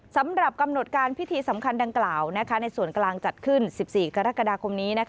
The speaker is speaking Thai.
สำหรับกำหนดการพิธีสำคัญดังกล่าวในส่วนกลางจัดขึ้น๑๔กรกฎาคมนี้